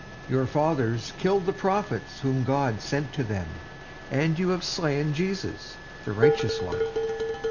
Your fathers killed the prophets whom God sent to them; and you have slain Jesus, the Righteous One!"